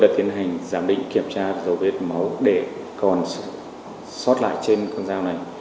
để còn xót lại trên con dao này